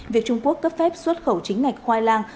việc trung quốc cấp phép xuất khẩu chính ngạch khoai lang